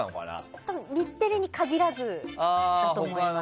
多分日テレに限らずだと思います。